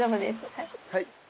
はい。